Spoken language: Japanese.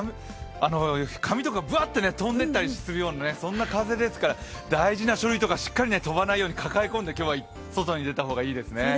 紙とかバーッと飛んでいったりするぐらいの風ですからそんな風ですから、大事な書類とか飛ばされないようにしっかり抱え込んで今日は外に出た方がいいですね。